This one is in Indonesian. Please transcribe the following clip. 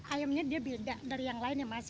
ayamnya dia beda dari yang lainnya mas